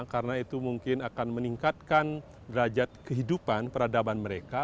karena itu mungkin akan meningkatkan derajat kehidupan peradaban mereka